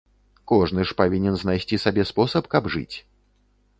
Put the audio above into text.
Кожны ж павінен знайсці сабе спосаб каб жыць!